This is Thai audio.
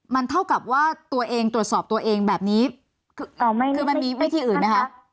มันเท่ากับว่าตัวเองตรวจสอบตัวเองแบบนี้คือมันมีวิธีอื่นไหมคะ